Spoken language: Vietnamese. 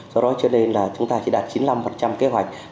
do đó cho nên là chúng ta chỉ đạt chín mươi năm kế hoạch